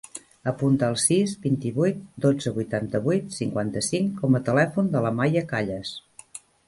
Apunta el sis, vint-i-vuit, dotze, vuitanta-vuit, cinquanta-cinc com a telèfon de la Maia Calles.